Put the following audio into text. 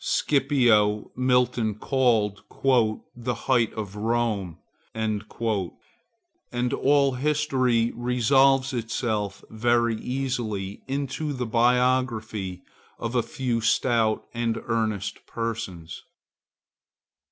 Scipio, Milton called "the height of Rome"; and all history resolves itself very easily into the biography of a few stout and earnest persons.